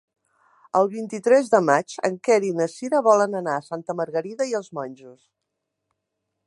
El vint-i-tres de maig en Quer i na Sira volen anar a Santa Margarida i els Monjos.